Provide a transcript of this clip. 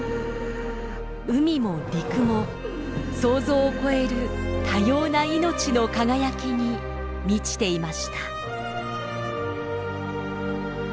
海も陸も想像を超える多様な命の輝きに満ちていました。